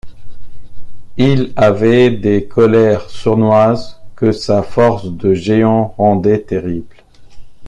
Il avait des colères sournoises que sa force de géant rendait terribles.